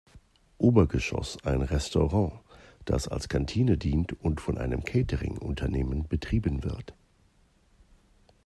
Obergeschoss ein Restaurant, das als Kantine dient und von einem Catering-Unternehmen betrieben wird.